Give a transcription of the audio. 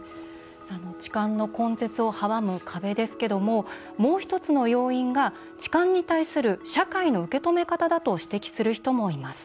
痴漢の根絶を阻む壁ですけどももう１つの要因が痴漢に対する社会の受け止め方だと指摘する人もいます。